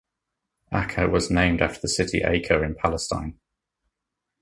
Acca was named after the city Acre in Palestine.